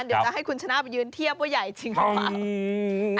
เดี๋ยวจะให้คุณชนะไปยืนเทียบว่าใหญ่จริงหรือเปล่า